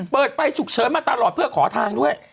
เปิดไฟฉุกเฉินมาตลอดเพื่อขอทางด้วย